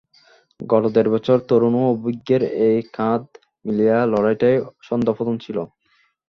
গত দেড় বছরে তরুণ ও অভিজ্ঞের এই কাঁধ মিলিয়ে লড়াইটায় ছন্দপতন ছিল।